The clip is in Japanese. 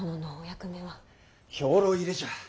兵糧入れじゃ。